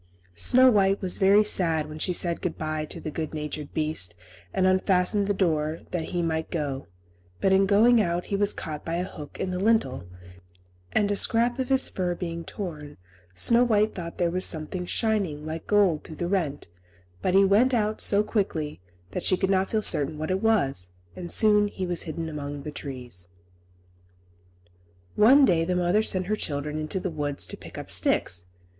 Snow White was very sad when she said good bye to the good natured beast, and unfastened the door, that he might go; but in going out he was caught by a hook in the lintel, and a scrap of his fur being torn, Snow White thought there was something shining like gold through the rent; but he went out so quickly that she could not feel certain what it was, and soon he was hidden among the trees. One day the mother sent her children into the wood to pick up sticks.